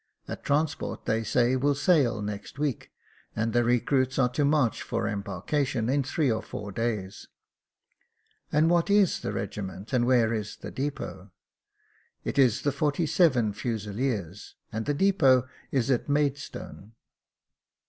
A transport, they say, will sail next week, and the recruits are to march for embarkation in three or four days." " And what is the regiment, and where is the depot ?"" It is the 47th Fusileers, and the depot is at Maid stone."